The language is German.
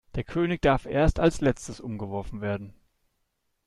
Der König darf erst als Letztes umgeworfen werden.